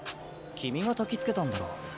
君がたきつけたんだろ。